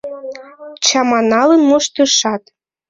Чаманалын моштышат.